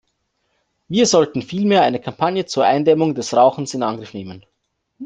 Wir sollten vielmehr eine Kampagne zur Eindämmung des Rauchens in Angriff nehmen.